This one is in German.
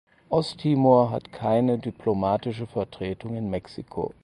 Osttimor hat keine diplomatische Vertretung in Mexiko.